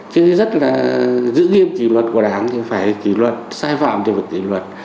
chứ rất là giữ nghiêm kỷ luật của đảng thì phải kỷ luật sai phạm thì phải kỷ luật